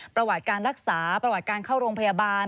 ประวัติการรักษาประวัติการเข้าโรงพยาบาล